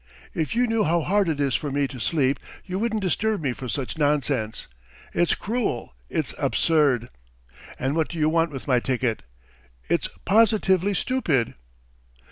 If you knew how hard it is for me to sleep you wouldn't disturb me for such nonsense. ... It's cruel, it's absurd! And what do you want with my ticket! It's positively stupid!"